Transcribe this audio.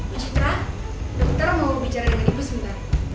ibu citra dokter mau bicara dengan ibu sebentar